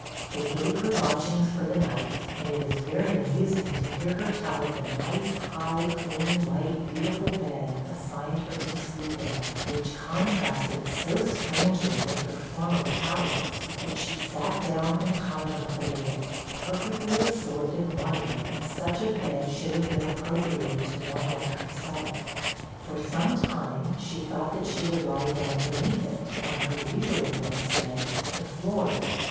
They gave her lodgings for the night; and it is very amusing to hear her tell of the 'nice, high, clean, white, beautiful bed' assigned her to sleep in, which contrasted so strangely with her former pallets, that she sat down and contemplated it, perfectly absorbed in wonder that such a bed should have been appropriated to one like herself. For some time she thought that she would lie down beneath it, on her usual bedstead, the floor.